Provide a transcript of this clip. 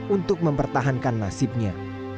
untuk mempertahankan nasibnya